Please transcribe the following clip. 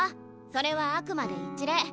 それはあくまで一例。